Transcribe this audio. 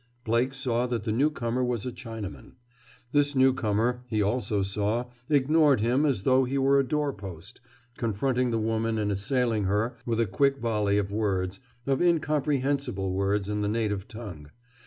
Blake saw that the newcomer was a Chinaman. This newcomer, he also saw, ignored him as though he were a door post, confronting the woman and assailing her with a quick volley of words, of incomprehensible words in the native tongue.